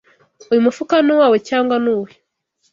Uyu mufuka ni uwawe cyangwa ni uwe?